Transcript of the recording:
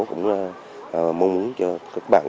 cũng mong muốn cho các bạn